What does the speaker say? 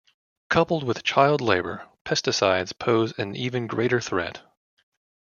Coupled with child labor, pesticides pose an even greater threat.